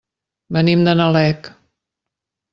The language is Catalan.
Venim de Nalec.